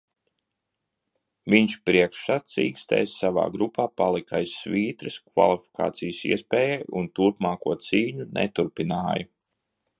Viņš priekšsacīkstēs savā grupā palika aiz svītras kvalifikācijas iespējai un turpmāko cīņu neturpināja.